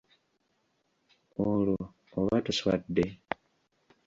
Olwo oba toswadde?